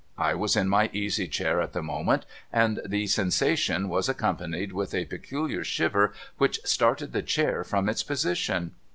I was in my easy chair at the moment, and the sensation was accompanied with a peculiar shiver which started the chair from its position.